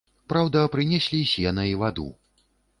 Праўда, прынеслі сена і ваду.